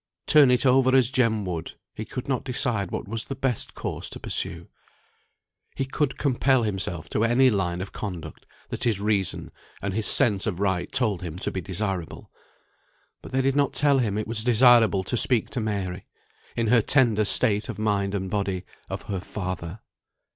Turn it over as Jem would, he could not decide what was the best course to pursue. He could compel himself to any line of conduct that his reason and his sense of right told him to be desirable; but they did not tell him it was desirable to speak to Mary, in her tender state of mind and body, of her father.